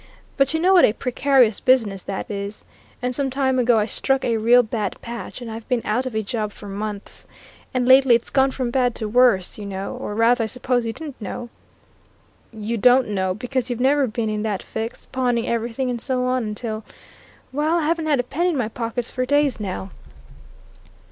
But you know what a precarious business that is. And some time ago I struck a real bad patch, and I've been out of a job for months. And lately it's gone from bad to worse you know, or rather I suppose you don't know, because you've never been in that fix pawning everything, and so on, until well, I haven't had a penny in my pockets for days now!"